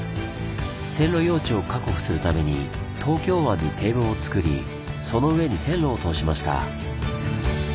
線路用地を確保するために東京湾に堤防をつくりその上に線路を通しました。